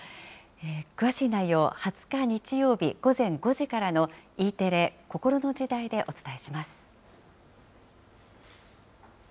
詳しい内容、２０日日曜日午前５時からのＥテレこころの時代でお伝えします。